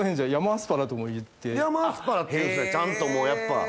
山アスパラっていうんすねちゃんともうやっぱ。